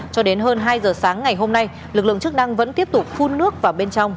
cho đến hơn hai giờ sáng ngày hôm nay lực lượng chức năng vẫn tiếp tục phun nước vào bên trong